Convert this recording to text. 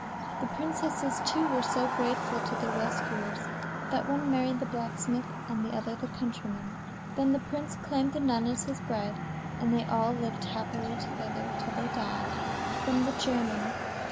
The princesses, too, were so grateful to their rescuers, that one married the blacksmith, and the other the countryman. Then the prince claimed the nun as his bride, and they all lived happily together till they died. [From the German.